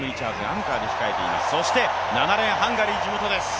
そして７レーン、ハンガリー、地元です。